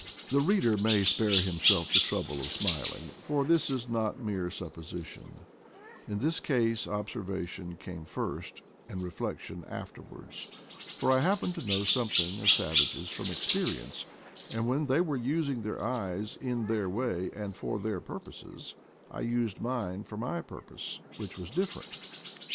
The reader may spare himself the trouble of smiling, for this is not mere supposition; in this case observation came first and reflection after wards, for I happen to know something of savages from experience, and when they were using their eyes in their way, and for their purposes, I used mine for my purpose, which was different.